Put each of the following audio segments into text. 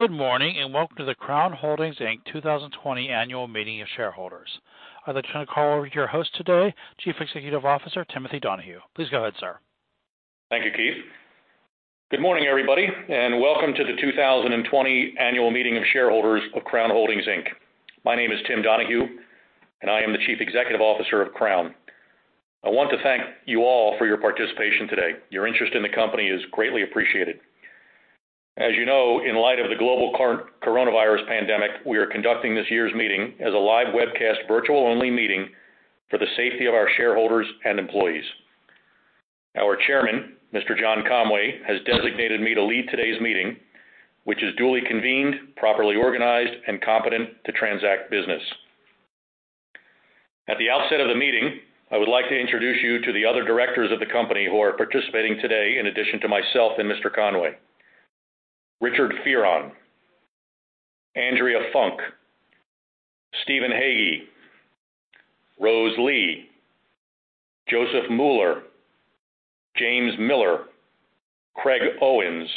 Good morning, welcome to the Crown Holdings, Inc. 2020 Annual Meeting of Shareholders. I'd like to call over to your host today, Chief Executive Officer, Timothy Donahue. Please go ahead, sir. Thank you, Keith. Good morning, everybody, and welcome to the 2020 Annual Meeting of Shareholders of Crown Holdings, Inc. My name is Tim Donahue, and I am the Chief Executive Officer of Crown. I want to thank you all for your participation today. Your interest in the company is greatly appreciated. As you know, in light of the global coronavirus pandemic, we are conducting this year's meeting as a live webcast virtual-only meeting for the safety of our shareholders and employees. Our chairman, Mr. John Conway, has designated me to lead today's meeting, which is duly convened, properly organized, and competent to transact business. At the outset of the meeting, I would like to introduce you to the other directors of the company who are participating today in addition to myself and Mr. Conway. Richard Fearon, Andrea Funk, Stephen Hagge, Rose Li, Josef Müller, James Miller, Craig Owens,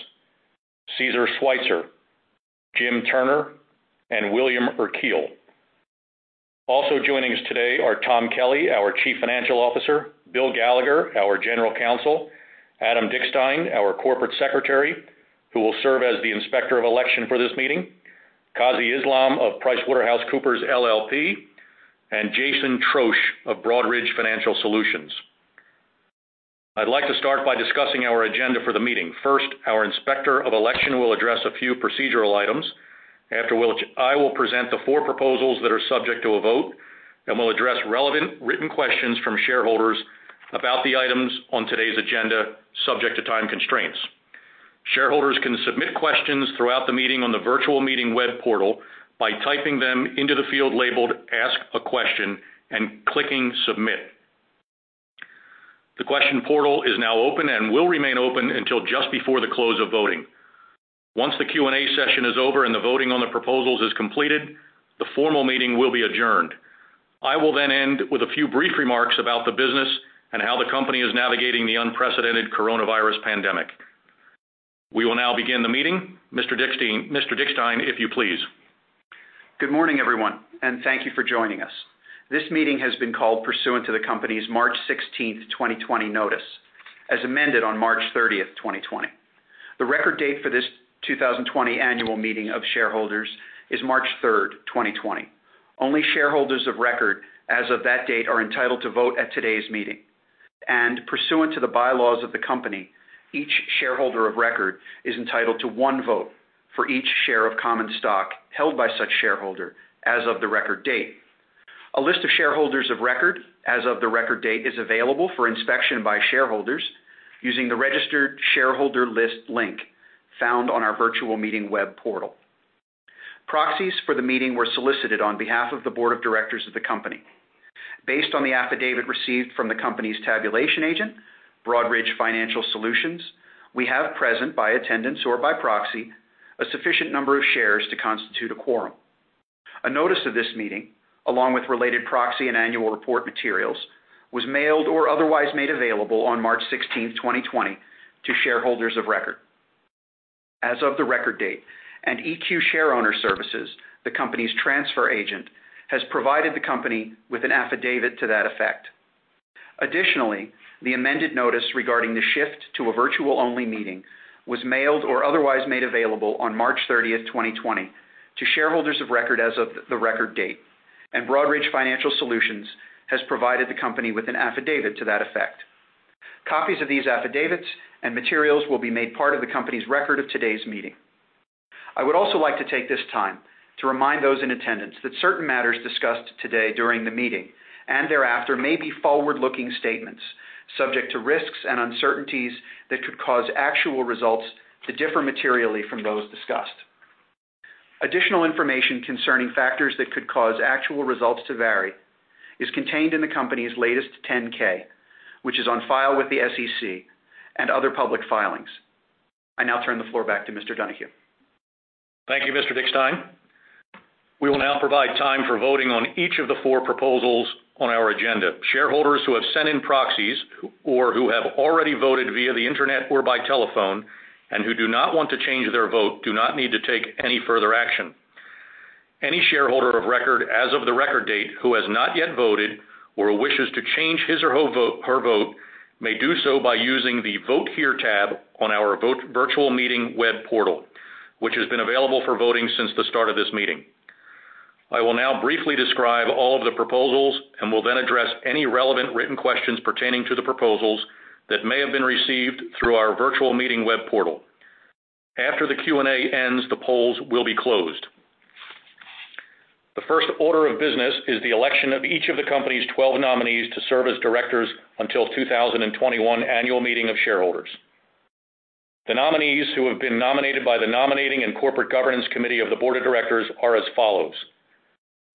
Caesar Sweitzer, Jim Turner, and William Urquhart. Also joining us today are Tom Kelly, our Chief Financial Officer, Bill Gallagher, our General Counsel, Adam Dickstein, our Corporate Secretary, who will serve as the Inspector of Election for this meeting, Kazi Islam of PricewaterhouseCoopers LLP, and Jason Troesch of Broadridge Financial Solutions. I'd like to start by discussing our agenda for the meeting. First, our Inspector of Election will address a few procedural items. After which I will present the four proposals that are subject to a vote and will address relevant written questions from shareholders about the items on today's agenda, subject to time constraints. Shareholders can submit questions throughout the meeting on the virtual meeting web portal by typing them into the field labeled Ask a Question and clicking Submit. The question portal is now open and will remain open until just before the close of voting. Once the Q&A session is over and the voting on the proposals is completed, the formal meeting will be adjourned. I will then end with a few brief remarks about the business and how the company is navigating the unprecedented coronavirus pandemic. We will now begin the meeting. Mr. Dickstein, if you please. Good morning, everyone, and thank you for joining us. This meeting has been called pursuant to the company's March 16th, 2020 notice, as amended on March 30th, 2020. The record date for this 2020 annual meeting of shareholders is March 3rd, 2020. Only shareholders of record as of that date are entitled to vote at today's meeting. Pursuant to the bylaws of the company, each shareholder of record is entitled to one vote for each share of common stock held by such shareholder as of the record date. A list of shareholders of record as of the record date is available for inspection by shareholders using the Registered Shareholder List link found on our virtual meeting web portal. Proxies for the meeting were solicited on behalf of the board of directors of the company. Based on the affidavit received from the company's tabulation agent, Broadridge Financial Solutions, we have present by attendance or by proxy, a sufficient number of shares to constitute a quorum. A notice of this meeting, along with related proxy and annual report materials, was mailed or otherwise made available on March 16th, 2020 to shareholders of record as of the record date, and EQ Shareowner Services, the company's transfer agent, has provided the company with an affidavit to that effect. Additionally, the amended notice regarding the shift to a virtual-only meeting was mailed or otherwise made available on March 30th, 2020 to shareholders of record as of the record date, and Broadridge Financial Solutions has provided the company with an affidavit to that effect. Copies of these affidavits and materials will be made part of the company's record of today's meeting. I would also like to take this time to remind those in attendance that certain matters discussed today during the meeting and thereafter may be forward-looking statements subject to risks and uncertainties that could cause actual results to differ materially from those discussed. Additional information concerning factors that could cause actual results to vary is contained in the company's latest 10-K, which is on file with the SEC and other public filings. I now turn the floor back to Mr. Donahue. Thank you, Mr. Dickstein. We will now provide time for voting on each of the four proposals on our agenda. Shareholders who have sent in proxies or who have already voted via the internet or by telephone and who do not want to change their vote do not need to take any further action. Any shareholder of record as of the record date who has not yet voted or wishes to change his or her vote may do so by using the Vote Here tab on our virtual meeting web portal, which has been available for voting since the start of this meeting. I will now briefly describe all of the proposals and will then address any relevant written questions pertaining to the proposals that may have been received through our virtual meeting web portal. After the Q&A ends, the polls will be closed. The first order of business is the election of each of the company's 12 nominees to serve as directors until 2021 Annual Meeting of Shareholders. The nominees who have been nominated by the Nominating and Corporate Governance Committee of the Board of Directors are as follows: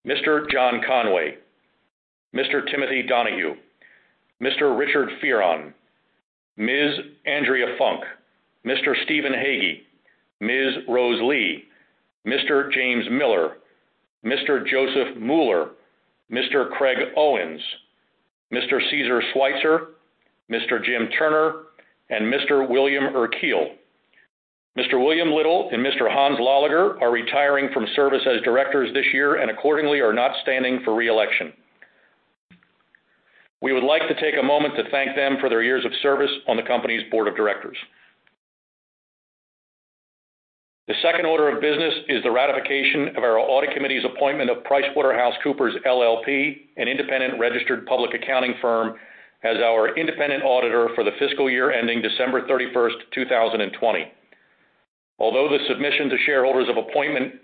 Mr. John Conway, Mr. Timothy Donahue, Mr. Richard Fearon, Ms. Andrea Funk, Mr. Stephen Hagge, Ms. Rose Li, Mr. James Miller, Mr. Josef Müller, Mr. Craig Owens, Mr. Caesar Sweitzer, Mr. Jim Turner, and Mr. William Urquhart. Mr. William Little and Mr. Hans Löliger are retiring from service as directors this year and accordingly are not standing for re-election. We would like to take a moment to thank them for their years of service on the company's Board of Directors. The second order of business is the ratification of our Audit Committee's appointment of PricewaterhouseCoopers LLP, an independent registered public accounting firm, as our independent auditor for the fiscal year ending December 31st, 2020. Although the submission to shareholders of appointment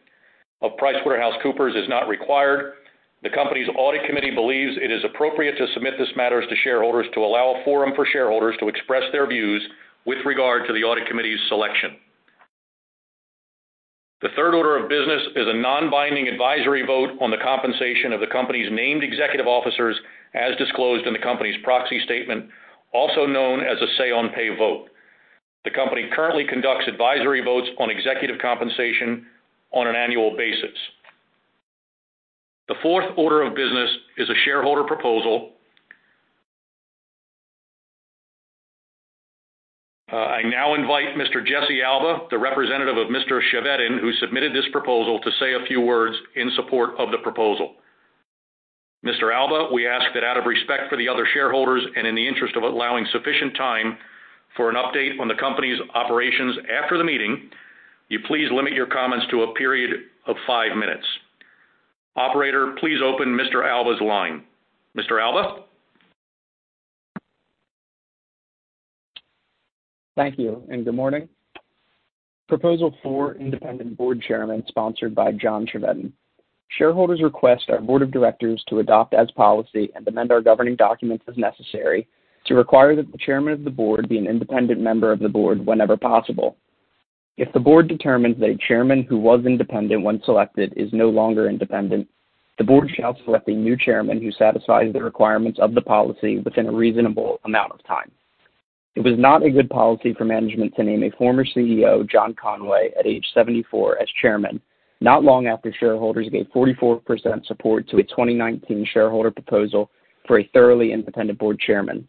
of PricewaterhouseCoopers is not required, the Company's Audit Committee believes it is appropriate to submit this matter to shareholders to allow a forum for shareholders to express their views with regard to the Audit Committee's selection. The third order of business is a non-binding advisory vote on the compensation of the Company's named executive officers as disclosed in the Company's proxy statement, also known as a say on pay vote. The Company currently conducts advisory votes on executive compensation on an annual basis. The fourth order of business is a shareholder proposal. I now invite Mr. Jesse Alba, the representative of Mr. Chevedden, who submitted this proposal to say a few words in support of the proposal. Mr. Alba, we ask that out of respect for the other shareholders and in the interest of allowing sufficient time for an update on the company's operations after the meeting, you please limit your comments to a period of five minutes. Operator, please open Mr. Alba's line. Mr. Alba? Thank you. Good morning. Proposal 4, independent board chairman, sponsored by John Chevedden. Shareholders request our board of directors to adopt as policy and amend our governing documents as necessary to require that the chairman of the board be an independent member of the board whenever possible. If the board determines a chairman who was independent when selected is no longer independent, the board shall select a new chairman who satisfies the requirements of the policy within a reasonable amount of time. It was not a good policy for management to name a former CEO, John Conway, at age 74 as chairman not long after shareholders gave 44% support to a 2019 shareholder proposal for a thoroughly independent board chairman.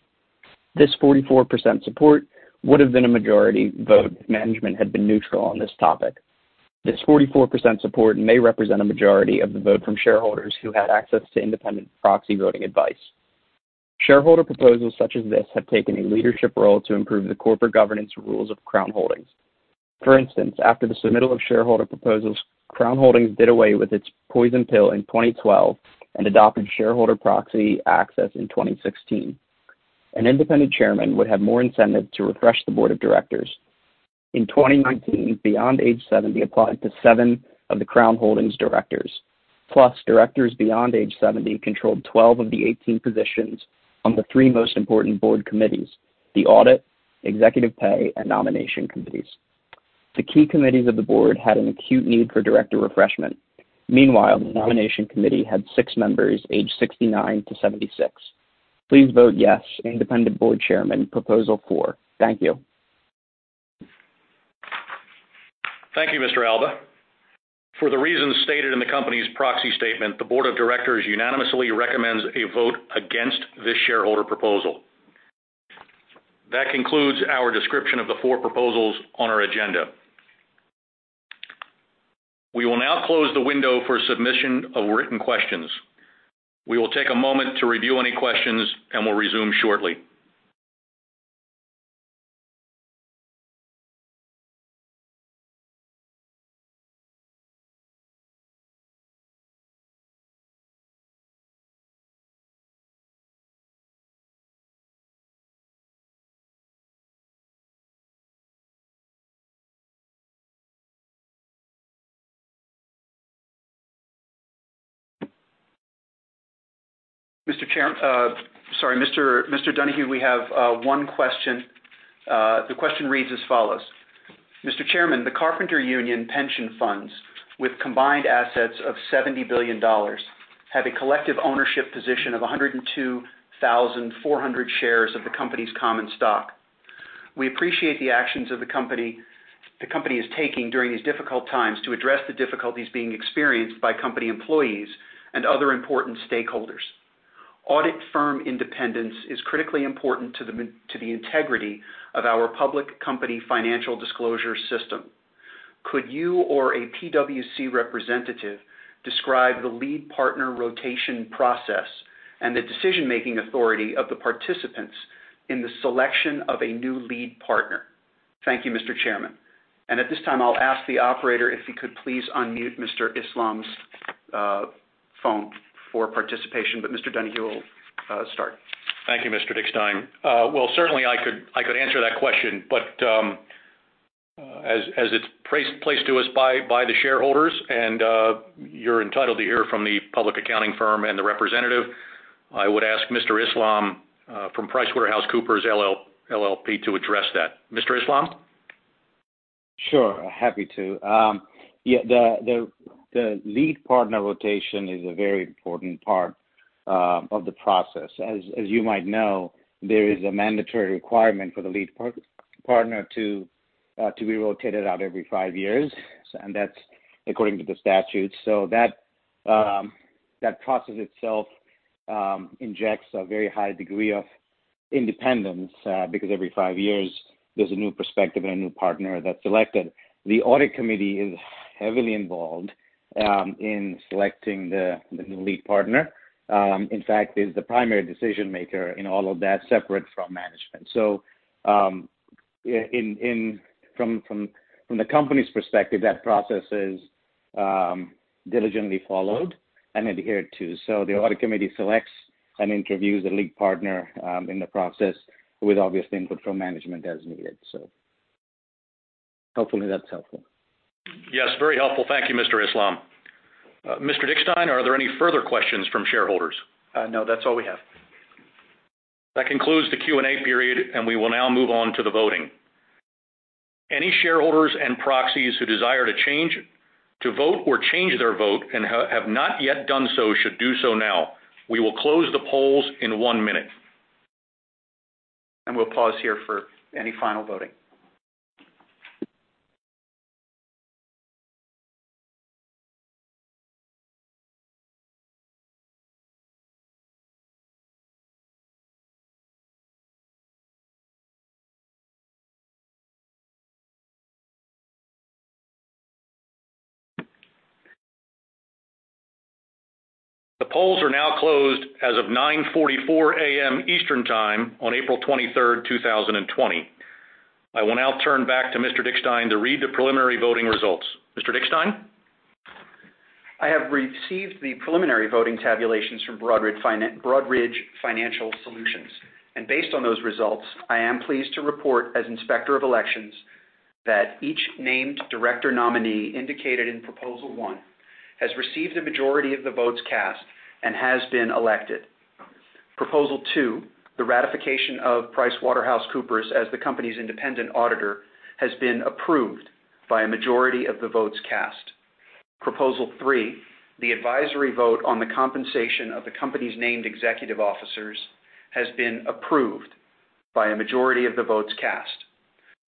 This 44% support would have been a majority vote if management had been neutral on this topic. This 44% support may represent a majority of the vote from shareholders who had access to independent proxy voting advice. Shareholder proposals such as this have taken a leadership role to improve the corporate governance rules of Crown Holdings. For instance, after the submittal of shareholder proposals, Crown Holdings did away with its poison pill in 2012 and adopted shareholder proxy access in 2016. An independent chairman would have more incentive to refresh the board of directors. In 2019, beyond age 70 applied to seven of the Crown Holdings directors, plus directors beyond age 70 controlled 12 of the 18 positions on the three most important board committees, the audit, executive pay, and nomination committees. The key committees of the board had an acute need for director refreshment. Meanwhile, the nomination committee had six members aged 69-76. Please vote yes, independent board chairman, proposal four. Thank you. Thank you, Mr. Alba. For the reasons stated in the company's proxy statement, the board of directors unanimously recommends a vote against this shareholder proposal. That concludes our description of the four proposals on our agenda. We will now close the window for submission of written questions. We will take a moment to review any questions, and we'll resume shortly. Mr. Chair Sorry, Mr. Donahue, we have one question. The question reads as follows. Mr. Chairman, the Carpenters Union pension funds, with combined assets of $70 billion, have a collective ownership position of 102,400 shares of the company's common stock. We appreciate the actions the company is taking during these difficult times to address the difficulties being experienced by company employees and other important stakeholders. Audit firm independence is critically important to the integrity of our public company financial disclosure system. Could you or a PwC representative describe the lead partner rotation process and the decision-making authority of the participants in the selection of a new lead partner? Thank you, Mr. Chairman. At this time, I'll ask the operator if he could please unmute Mr. Islam's phone for participation. Mr. Donahue will start. Thank you, Mr. Dickstein. Well, certainly I could answer that question, but as it's placed to us by the shareholders, and you're entitled to hear from the public accounting firm and the representative, I would ask Mr. Islam from PricewaterhouseCoopers LLP to address that. Mr. Islam? Sure. Happy to. Yeah. The lead partner rotation is a very important part of the process. As you might know, there is a mandatory requirement for the lead partner to be rotated out every five years, and that's according to the statutes. That process itself injects a very high degree of independence, because every five years there's a new perspective and a new partner that's selected. The audit committee is heavily involved in selecting the new lead partner. In fact, it is the primary decision-maker in all of that, separate from management. From the company's perspective, that process is diligently followed and adhered to. The audit committee selects and interviews the lead partner in the process with obvious input from management as needed. Hopefully that's helpful. Yes, very helpful. Thank you, Mr. Islam. Mr. Dickstein, are there any further questions from shareholders? No, that's all we have. That concludes the Q&A period, and we will now move on to the voting. Any shareholders and proxies who desire to vote or change their vote and have not yet done so, should do so now. We will close the polls in one minute. We'll pause here for any final voting. The polls are now closed as of 9:44 A.M. Eastern Time on April 23rd, 2020. I will now turn back to Mr. Dickstein to read the preliminary voting results. Mr. Dickstein? I have received the preliminary voting tabulations from Broadridge Financial Solutions, and based on those results, I am pleased to report, as Inspector of elections, that each named director nominee indicated in Proposal One has received a majority of the votes cast and has been elected. Proposal Two, the ratification of PricewaterhouseCoopers as the company's independent auditor, has been approved by a majority of the votes cast. Proposal Three, the advisory vote on the compensation of the company's named executive officers, has been approved by a majority of the votes cast.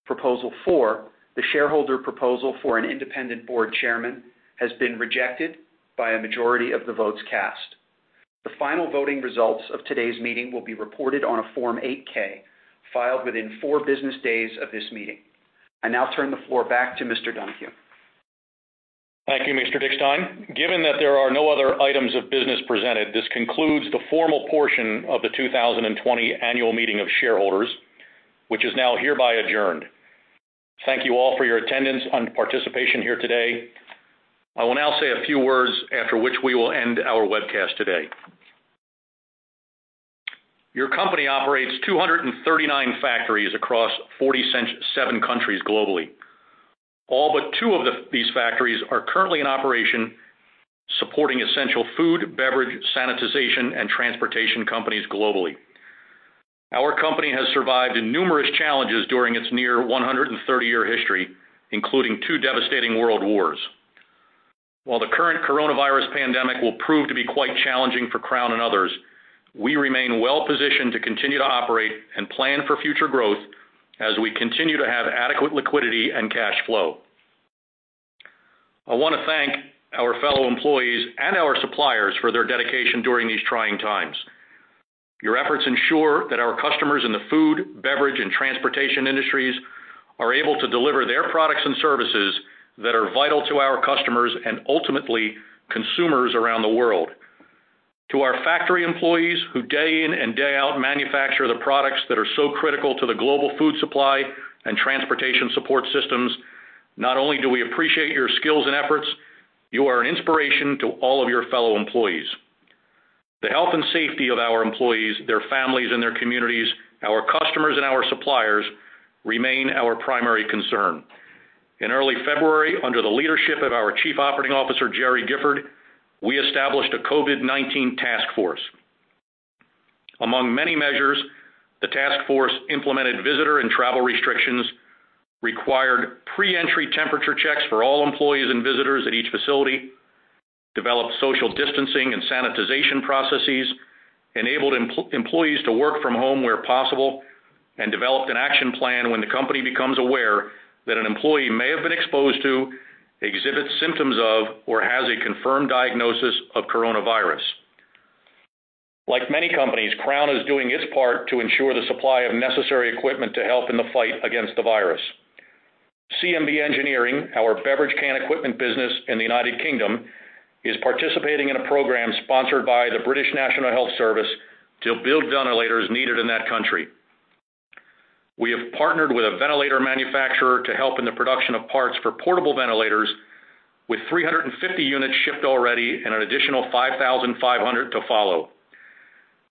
Proposal Four, the shareholder proposal for an independent board chairman, has been rejected by a majority of the votes cast. The final voting results of today's meeting will be reported on a Form 8-K filed within four business days of this meeting. I now turn the floor back to Mr. Donahue. Thank you, Mr. Dickstein. Given that there are no other items of business presented, this concludes the formal portion of the 2020 annual meeting of shareholders, which is now hereby adjourned. Thank you all for your attendance and participation here today. I will now say a few words, after which we will end our webcast today. Your company operates 239 factories across 47 countries globally. All but two of these factories are currently in operation, supporting essential food, beverage, sanitization, and transportation companies globally. Our company has survived numerous challenges during its near 130-year history, including two devastating world wars. While the current coronavirus pandemic will prove to be quite challenging for Crown and others, we remain well positioned to continue to operate and plan for future growth as we continue to have adequate liquidity and cash flow. I want to thank our fellow employees and our suppliers for their dedication during these trying times. Your efforts ensure that our customers in the food, beverage, and transportation industries are able to deliver their products and services that are vital to our customers and ultimately consumers around the world. To our factory employees, who day in and day out manufacture the products that are so critical to the global food supply and transportation support systems, not only do we appreciate your skills and efforts, you are an inspiration to all of your fellow employees. The health and safety of our employees, their families and their communities, our customers and our suppliers remain our primary concern. In early February, under the leadership of our Chief Operating Officer, Gerry Gifford, we established a COVID-19 task force. Among many measures, the task force implemented visitor and travel restrictions, required pre-entry temperature checks for all employees and visitors at each facility, developed social distancing and sanitization processes, enabled employees to work from home where possible, and developed an action plan when the company becomes aware that an employee may have been exposed to, exhibits symptoms of, or has a confirmed diagnosis of coronavirus. Like many companies, Crown is doing its part to ensure the supply of necessary equipment to help in the fight against the virus. CMB Engineering, our beverage can equipment business in the United Kingdom, is participating in a program sponsored by the British National Health Service to build ventilators needed in that country. We have partnered with a ventilator manufacturer to help in the production of parts for portable ventilators, with 350 units shipped already and an additional 5,500 to follow.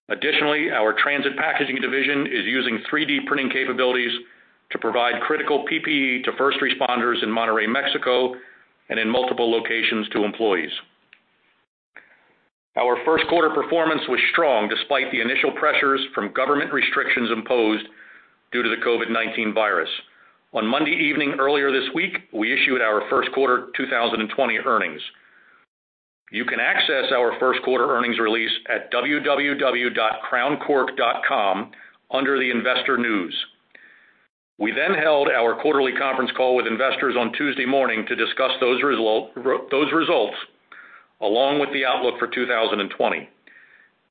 Additionally, our Transit Packaging division is using 3D printing capabilities to provide critical PPE to first responders in Monterrey, Mexico, and in multiple locations to employees. Our first quarter performance was strong, despite the initial pressures from government restrictions imposed due to the COVID-19 virus. On Monday evening, earlier this week, we issued our first quarter 2020 earnings. You can access our first quarter earnings release at www.crowncork.com under the investor news. We held our quarterly conference call with investors on Tuesday morning to discuss those results, along with the outlook for 2020.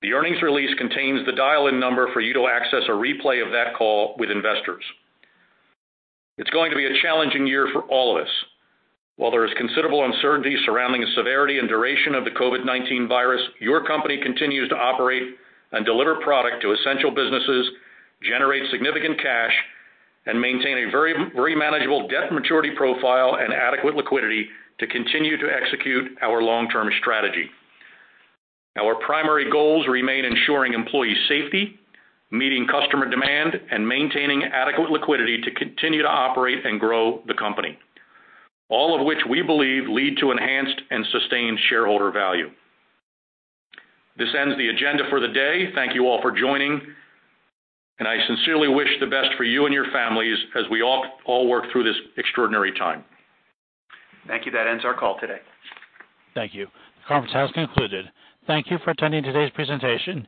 The earnings release contains the dial-in number for you to access a replay of that call with investors. It's going to be a challenging year for all of us. While there is considerable uncertainty surrounding the severity and duration of the COVID-19 virus, your company continues to operate and deliver product to essential businesses, generate significant cash, and maintain a very manageable debt maturity profile and adequate liquidity to continue to execute our long-term strategy. Our primary goals remain ensuring employee safety, meeting customer demand, and maintaining adequate liquidity to continue to operate and grow the company. All of which, we believe, lead to enhanced and sustained shareholder value. This ends the agenda for the day. Thank you all for joining, and I sincerely wish the best for you and your families as we all work through this extraordinary time. Thank you. That ends our call today. Thank you. The conference has concluded. Thank you for attending today's presentation.